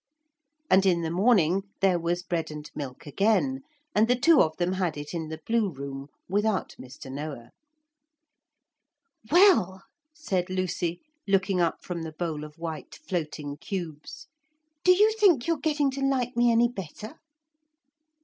And in the morning there was bread and milk again, and the two of them had it in the blue room without Mr. Noah. 'Well,' said Lucy, looking up from the bowl of white floating cubes, 'do you think you're getting to like me any better?'